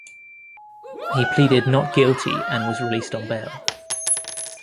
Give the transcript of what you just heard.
He pleaded not guilty and was released on bail.